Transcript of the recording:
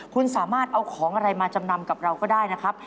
คุณสามารถเอาของอะไรมาจำนำกับเราก็ได้นะครับ